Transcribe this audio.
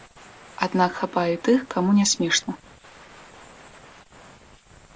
Аднак хапае і тых, каму не смешна.